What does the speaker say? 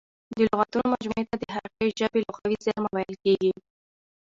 د لغاتونو مجموعې ته د هغې ژبي لغوي زېرمه ویل کیږي.